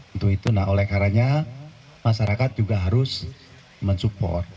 untuk itu nah oleh karanya masyarakat juga harus mensupport